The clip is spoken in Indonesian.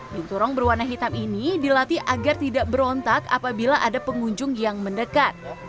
pintu rong berwarna hitam ini dilatih agar tidak berontak apabila ada pengunjung yang mendekat